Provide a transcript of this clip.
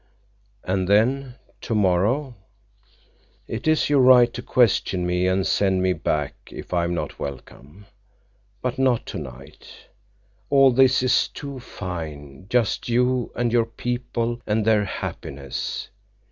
"And then—tomorrow—" "It is your right to question me and send me back if I am not welcome. But not tonight. All this is too fine—just you—and your people—and their happiness."